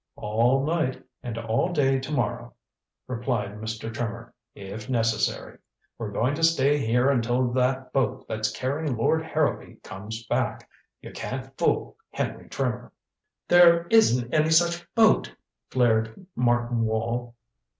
"All night, and all day to morrow," replied Mr. Trimmer, "if necessary. We're going to stay here until that boat that's carrying Lord Harrowby comes back. You can't fool Henry Trimmer." "There isn't any such boat!" flared Martin Wall.